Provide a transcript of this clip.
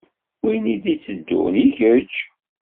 Win i d-itteddun i kečč.